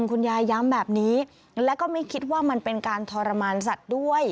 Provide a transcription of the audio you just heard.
คุณยายย้ำแบบนี้แล้วก็ไม่คิดว่ามันเป็นการทรมานสัตว์ด้วย